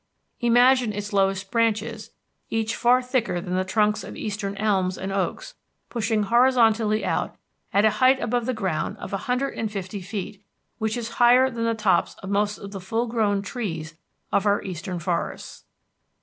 Imagine its lowest branches, each far thicker than the trunks of eastern elms and oaks, pushing horizontally out at a height above ground of a hundred and fifty feet, which is higher than the tops of most of the full grown trees of our eastern forests.